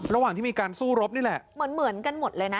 ระหว่างที่มีการสู้รบนี่แหละเหมือนเหมือนกันหมดเลยนะ